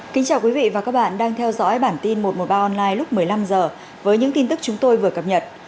kính chào quý vị và các bạn đang theo dõi bản tin một trăm một mươi ba online lúc một mươi năm h với những tin tức chúng tôi vừa cập nhật